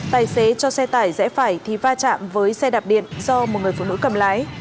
phải thì va chạm với xe đạp điện do một người phụ nữ cầm lái